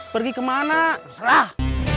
pergi kemana terserah